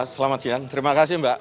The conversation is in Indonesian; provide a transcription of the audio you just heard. selamat siang terima kasih mbak